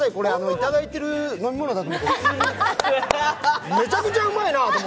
いただいてる飲み物だと思って普通に。